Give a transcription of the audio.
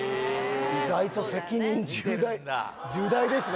意外と責任重大重大ですね